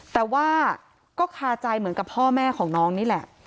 แต่ว่าก็คาใจเหมือนกับพ่อแม่ของน้องนี่แหละ